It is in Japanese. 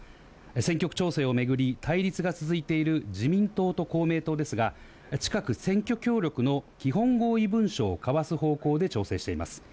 選挙区調整を巡り、対立が続いている自民党と公明党ですが、近く、選挙協力の基本合意文書を交わす方向で調整しています。